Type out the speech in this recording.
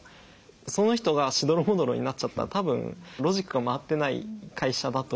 その人がしどろもどろになっちゃったら多分ロジックが回ってない会社だと思うんですよ。